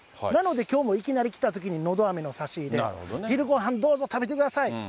なので、きょうもいきなり来たときにのどあめの差し入れ、昼ごはん、どうぞ食べてください。